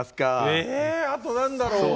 えっあと何だろう？